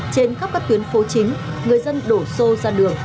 trên khắp các tuyến phố chính người dân đổ xô ra đường